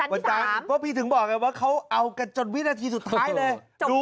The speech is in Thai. พวกพี่ถึงบอกว่าเขาเอากันจนวินาทีสุดท้ายเลย